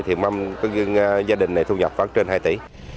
thì gia đình này thu nhập khoảng trên hai tỷ